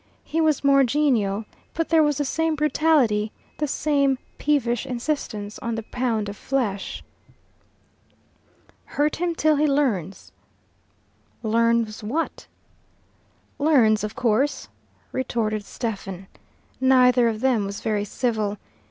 He was more genial, but there was the same brutality, the same peevish insistence on the pound of flesh. "Hurt him till he learns." "Learns what?" "Learns, of course," retorted Stephen. Neither of them was very civil.